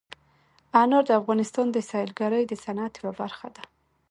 انار د افغانستان د سیلګرۍ د صنعت یوه برخه ده.